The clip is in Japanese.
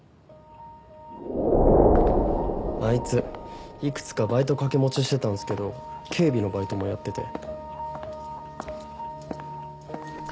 あいついくつかバイト掛け持ちしてたんすけど警備のバイトもやってて。